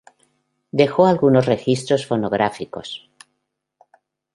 Dejó algunos registros fonográficos.